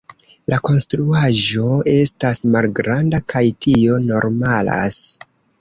La konstruaĵo estas malgranda, kaj tio normalas.